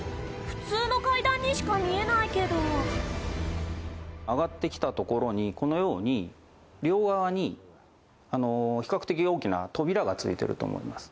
普通の階段にしか見えないけど上がってきた所にこのように、両側に比較的大きな扉が付いてると思います。